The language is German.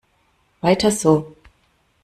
Weiter so!